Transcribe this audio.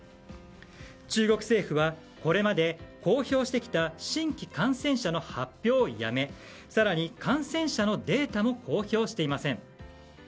中国政府は、これまで公表してきた新規感染者の発表をやめ更に、感染者のデータも公表していません。